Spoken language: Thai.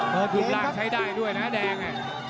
หิบล่างใช้ได้ด้วยนะแดง